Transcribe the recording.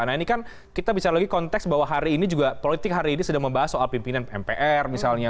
nah ini kan kita bicara lagi konteks bahwa hari ini juga politik hari ini sedang membahas soal pimpinan mpr misalnya